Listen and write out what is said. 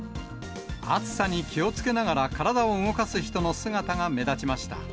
暑さに気をつけながら、体を動かす人の姿が目立ちました。